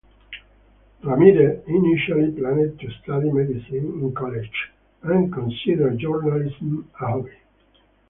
Ramirez initially planned to study medicine in college and considered journalism a hobby.